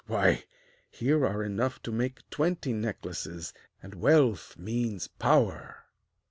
Why, here are enough to make twenty necklaces; and wealth means power!'